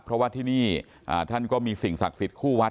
เพราะว่าที่นี่ท่านก็มีสิ่งศักดิ์สิทธิคู่วัด